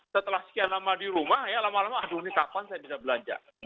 setelah sekian lama di rumah ya lama lama aduh ini kapan saya bisa belanja